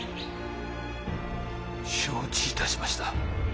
承知いたしました。